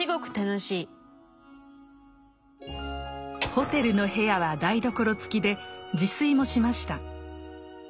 ホテルの部屋は台所付きで自炊もしました。